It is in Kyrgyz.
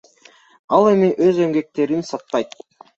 Ал эми өз эмгектерин сатпайт.